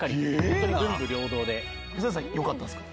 水谷さん良かったんですか？